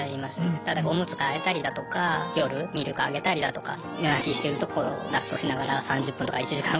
ただおむつ替えたりだとか夜ミルクあげたりだとか夜泣きしてるところをだっこしながら３０分とか１時間うろうろするだとか。